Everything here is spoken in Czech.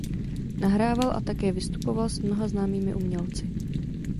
Nahrával a také vystupoval s mnoha známými umělci.